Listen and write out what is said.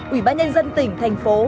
ủy ban nhân dân tỉnh thành phố